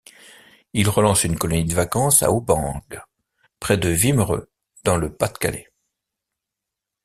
Il relance une colonie de vacances à Aubengue près de Wimereux dans le Pas-de-Calais.